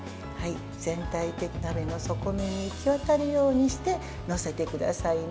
全体的に鍋の底にいきわたるようにして載せてくださいね。